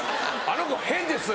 あの子変です。